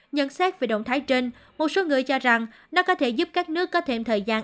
nhận xét về động thái trên một số người cho rằng nó có thể giúp các nước có thêm thời gian